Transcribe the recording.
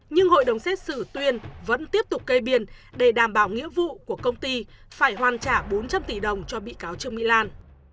nhưng hội đồng xét xử tuyên vẫn tiếp tục kê biên để đảm bảo nghĩa vụ của công ty phải hoàn trả bốn trăm linh tỷ đồng cho bị cáo trương mỹ lan